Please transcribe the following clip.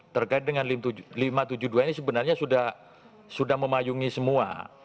terkait dengan lima ratus tujuh puluh dua ini sebenarnya sudah memayungi semua